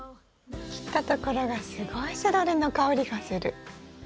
切ったところがすごいセロリの香りがする。